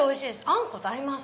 あんこと合います。